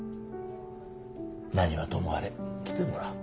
何はともあれ来てもらう。